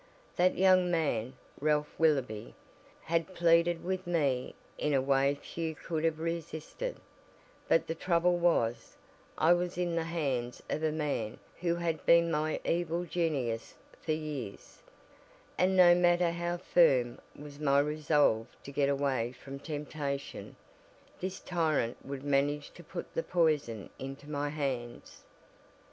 That young man, Ralph Willoby, had pleaded with me in a way few could have resisted, but the trouble was, I was in the hands of a man who had been my evil genius for years, and no matter how firm was my resolve to get away from temptation, this tyrant would manage to put the poison into my hands.